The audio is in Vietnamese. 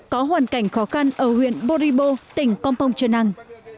có hoàn cảnh khó khăn ở huyện boribo tỉnh compong trần năng